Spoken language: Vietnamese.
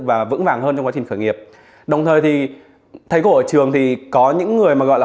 và vững vàng hơn trong quá trình khởi nghiệp đồng thời thì thầy của ở trường thì có những người mà gọi là